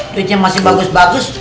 duitnya masih bagus bagus